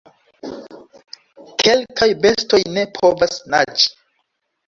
Kelkaj bestoj ne povas naĝi.